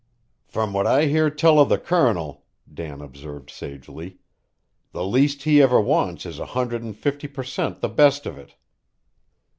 "From what I hear tell o' the Colonel," Dan observed sagely, "the least he ever wants is a hundred and fifty per cent. the best of it."